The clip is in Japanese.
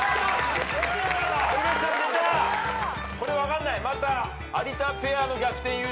これ分かんない。